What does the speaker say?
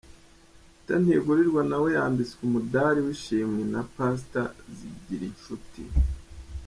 Peter Ntigurirwa nawe yambitswe umudari w'ishimwe na Pastor Zigirinshuti.